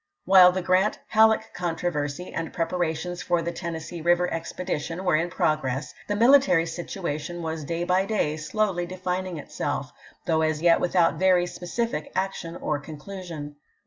While the G rant Hall eck controversy and prepa rations for the Tennessee River expedition were in progress, the military situation was day by day slowly defining itself, though as yet without very specific action or conclusion.